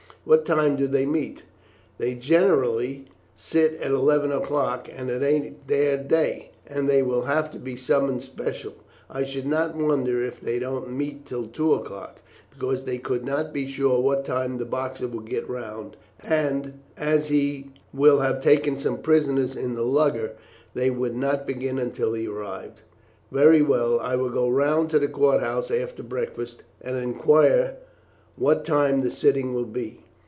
What time do they meet?" "They generally sit at eleven o'clock; but it ain't their day, and they will have to be summoned special. I should not wonder if they don't meet till two o'clock; because they could not be sure what time the Boxer will get round, and, as he will have taken some prisoners in the lugger, they would not begin until he arrived." "Very well; I will go round to the court house after breakfast, and inquire what time the sitting will be.